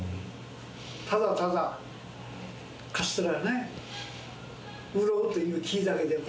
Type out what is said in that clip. ただただ、カステラね、売ろうという気だけでは。